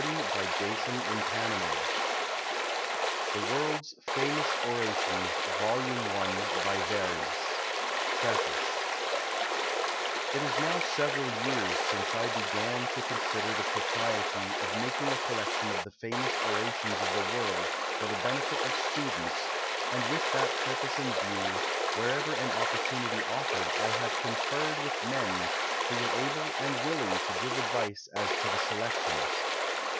S COM TANA' \/'i iiilr,i ill the riiifc^l Siiilr.s <'l .liiicyica] c Lil iiry PREFACE It' is now several years since I began to con sider the propriety of making a collection of the famous orations of the world for the benefit of students, and with that purpose in view, wher ever an opportunity offered, I have conferred with men who were able and willing to give advice as to the selections.